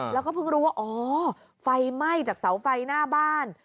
แล้วก็เพิ่งรู้ว่าอ๋อไฟไหม้จากเสาไฟหน้าบ้าน